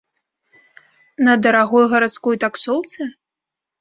На дарагой гарадской таксоўцы?